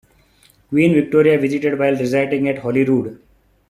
Queen Victoria visited while residing at Holyrood.